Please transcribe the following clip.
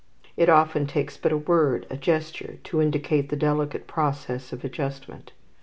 It often takes but a word, a gesture, to indicate the delicate process of adjustment.